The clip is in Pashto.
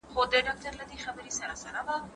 ژبه د نوو لغاتو جوړولو استعداد لري.